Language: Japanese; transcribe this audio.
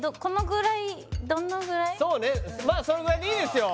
そうねまあそのぐらいでいいですよ